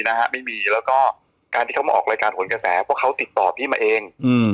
จริงเขาติดต่อพี่มาเอง